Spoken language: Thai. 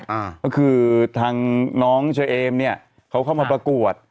ก็คือทางน้องเชอเอมเขาเข้ามาประกวด